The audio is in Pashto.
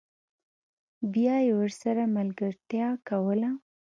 بیا یې ورسره ملګرتیا کوله